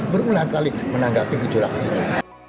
berulang kali menanggapi gejolak ini